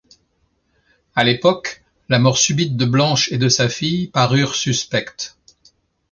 À l'époque, la mort subite de Blanche et de sa fille parurent suspectes.